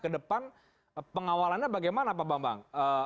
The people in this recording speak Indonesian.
ke depan pengawalannya bagaimana pak bambang